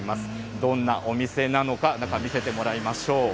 どんなお店なのか、中、見せてもらいましょう。